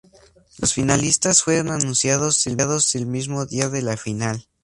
Los finalistas fueron anunciados el mismo día de la final.